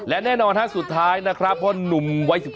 และแน่นอนสุดท้ายนะครับเพราะหนุ่มวัย๑๕